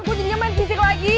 gua jadinya main fisik lagi